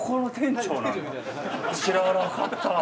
知らなかった。